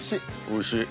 おいしい。